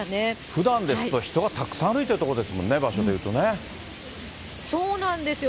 ふだんですと人がたくさん歩いてる所ですもんね、そうなんですよ。